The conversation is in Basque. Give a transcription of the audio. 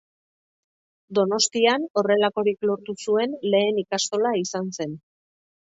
Donostian horrelakorik lortu zuen lehen ikastola izan zen.